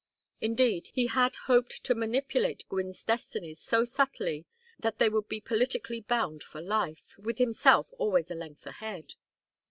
Indeed, he had hoped to manipulate Gwynne's destinies so subtly that they would be politically bound for life, with himself always a length ahead.